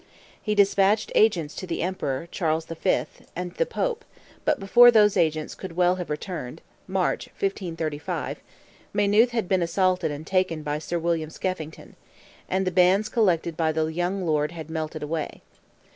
He despatched agents to the Emperor, Charles V., and the Pope, but before those agents could well have returned—March, 1535—Maynooth had been assaulted and taken by Sir William Skeffington—and the bands collected by the young lord had melted away.